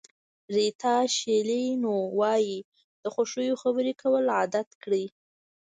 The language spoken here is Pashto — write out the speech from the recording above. ریتا شیلینو وایي د خوښیو خبرې کول عادت کړئ.